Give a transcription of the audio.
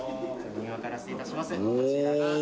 右側から失礼いたします